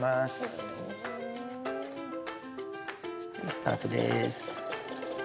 スタートです。